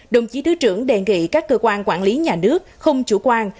đồng chí thứ trưởng đề nghị các cơ quan quản lý nhà nước không chủ quan